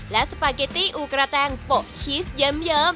และสปาเกตตี้อูกระแตงโปะชีสเยิ้ม